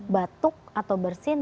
batuk atau bersin